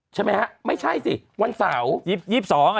ใช่ไหมฮะไม่ใช่สิวันเสาร์๒๒อ่ะ